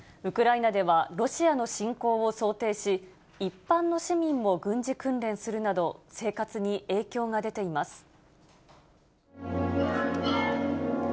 ウクライナでは、ロシアの侵攻を想定し、一般の市民も軍事訓練するなど、生活に影響が出ています。